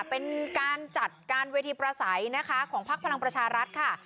เป็นการจัดการเวทีประสัยนะคะของพักพลังประชารัฐค่ะ